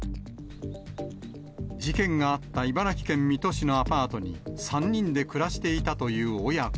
事件があった茨城県水戸市のアパートに３人で暮らしていたという親子。